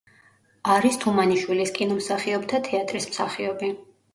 არის თუმანიშვილის კინომსახიობთა თეატრის მსახიობი.